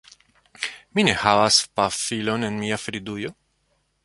Mi ne havas pafilon en mia fridujo